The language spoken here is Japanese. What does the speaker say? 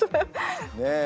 ねえ。